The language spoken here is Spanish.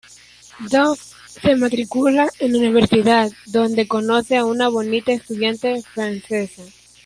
Dave se matricula en la universidad, donde conoce a un bonita estudiante Francesa.